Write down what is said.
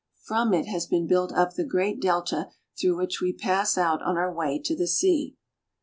From it has been built up the great delta through which we pass out on our way to the sea.